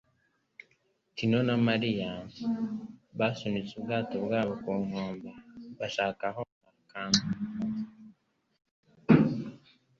Tino na Mariya basunitse ubwato bwabo ku nkombe, bashaka aho bakambika.